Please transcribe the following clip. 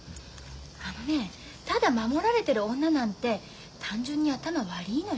あのねただ守られてる女なんて単純に頭悪いのよ。